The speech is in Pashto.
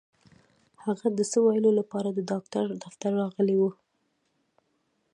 هغه د څه ويلو لپاره د ډاکټر دفتر ته راغلې وه.